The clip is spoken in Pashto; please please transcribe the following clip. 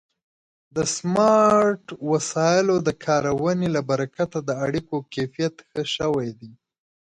د سمارټ وسایلو د کارونې له برکته د اړیکو کیفیت ښه شوی دی.